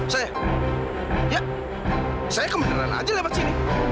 saya ya saya kebenaran aja lewat sini